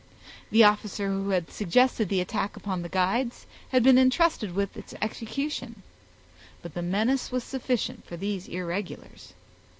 The officer who had suggested the attack upon the guides had been intrusted with its execution, but the menace was sufficient for these irregulars.